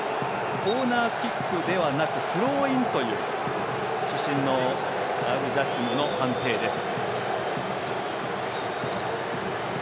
コーナーキックではなくスローインという主審のアルジャシムの判定です。